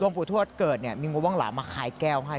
หลวงปูทวชเกิดมีมวลว่างหลามมาขายแก้วให้